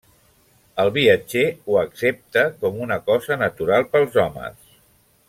El viatger ho accepta com una cosa natural pels homes.